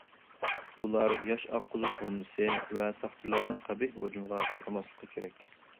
ئۇلار ياش ئاققۇزۇش بومبىسى ۋە ساقچىلارنىڭ قەبىھ ھۇجۇمىغا ئۇچرىماسلىقى كېرەك.